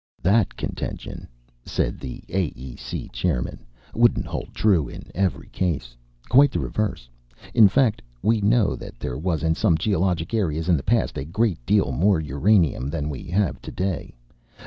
"That contention," said the AEC chairman, "wouldn't hold true in every case. Quite the reverse, in fact. We know that there was, in some geologic ages in the past, a great deal more uranium than we have today.